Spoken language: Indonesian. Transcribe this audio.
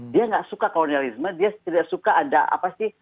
dia nggak suka kolonialisme dia tidak suka ada apa sih